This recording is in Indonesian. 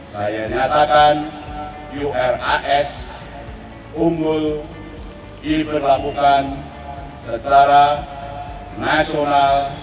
saya nyatakan uras unggul diberlakukan secara nasional